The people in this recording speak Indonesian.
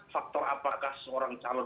faktor apakah seorang calon